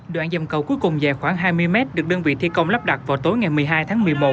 đoạn dầm cầu cuối cùng dài khoảng hai mươi mét được đơn vị thi công lắp đặt vào tối ngày một mươi hai tháng một mươi một